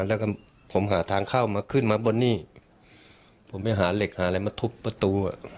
แล้วก็ผมหาทางเข้ามาขึ้นมาบนนี่ผมไปหาเหล็กหาอะไรมาทุบประตูอ่ะ